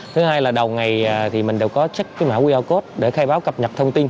thứ hai là đầu ngày thì mình đều có check cái mã qr code để khai báo cập nhật thông tin